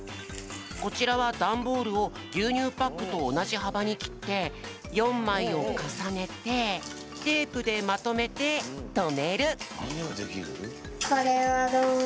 こちらはダンボールをぎゅうにゅうパックとおなじはばにきって４まいをかさねてテープでまとめてとめる！